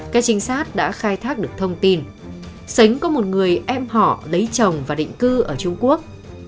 các trinh sát đã khai thác được thông tin sánh có một người em họ lấy chồng và định cư ở trung quốc